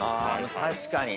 確かに。